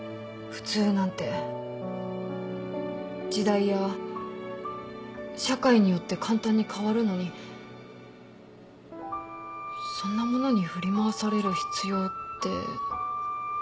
普通なんて時代や社会によって簡単に変わるのにそんなものに振り回される必要って。